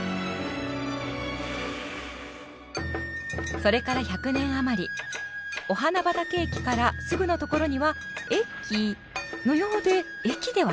それから１００年余り御花畑駅からすぐのところには駅のようで駅ではない。